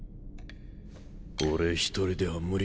俺一人では無理か。